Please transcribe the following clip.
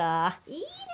いいね！